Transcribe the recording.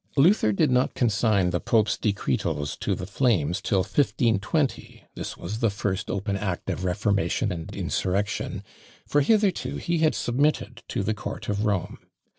Luther did not consign the pope's decretals to the flames till 1520 this was the first open act of reformation and insurrection, for hitherto he had submitted to the court of Rome.